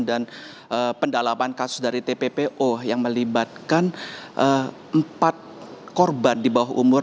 dan pendalaman kasus dari tppo yang melibatkan empat korban di bawah umur